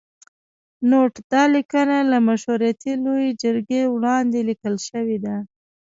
نوټ: دا لیکنه له مشورتي لویې جرګې وړاندې لیکل شوې ده.